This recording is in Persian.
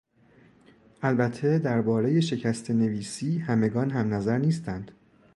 البته دربارهٔ شکستهنویسی همگان همنظر نیستند.